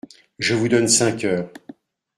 Je vous donne cinq heures !